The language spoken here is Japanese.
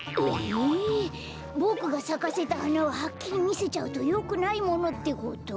ええボクがさかせたはなははっきりみせちゃうとよくないものってこと？